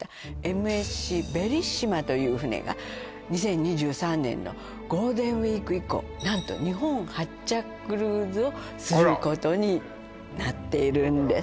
ＭＳＣベリッシマという船が２０２３年のゴールデンウイーク以降何と日本発着クルーズをあらすることになっているんです